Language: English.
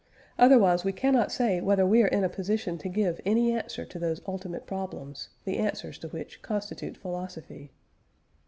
Otherwise we cannot say whether we are in a position to give any answer to those ultimate problems, the answers to which constitute philosophy.